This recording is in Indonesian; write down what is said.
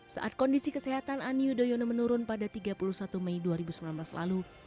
saat kondisi kesehatan ani yudhoyono menurun pada tiga puluh satu mei dua ribu sembilan belas lalu